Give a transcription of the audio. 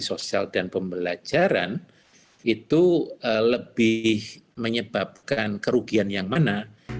sosial dan pembelajaran itu lebih menyebabkan kerugian yang mana